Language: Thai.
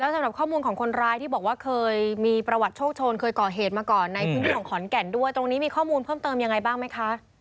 สำหรับข้อมูลของคนร้ายที่บอกว่าเคยมีประวัติโชคโชนเคยก่อเหตุมาก่อนในพื้นที่ของขอนแก่นด้วยตรงนี้มีข้อมูลเพิ่มเติมยังไงบ้างไหมคะ